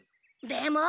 でも。